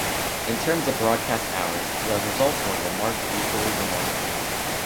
In terms of broadcast hours, the results were equally remarkable.